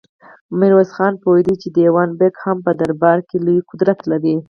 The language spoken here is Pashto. ميرويس خان پوهېده چې دېوان بېګ هم په دربار کې لوی قدرت لري.